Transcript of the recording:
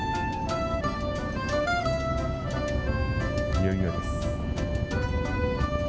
いよいよです。